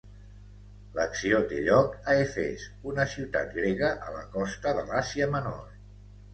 L'acció té lloc a Efes, una ciutat grega a la costa de l'Àsia Menor.